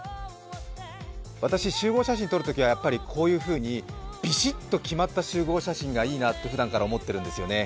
私、集合写真撮るときはビシッと決まった集合写真がいいなとふだんから思っているんですよね。